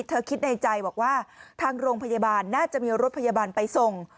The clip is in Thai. คิดในใจบอกว่าทางโรงพยาบาลน่าจะมีรถพยาบาลไปส่ง